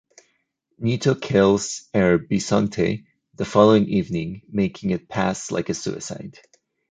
Nito kills “Er Bisonte” the following evening making it pass like a suicide.